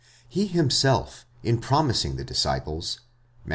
He himself, in promising the disciples (Matt.